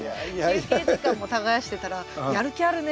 休憩時間も耕してたら「やる気あるね」